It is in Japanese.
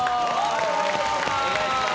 ・お願いします。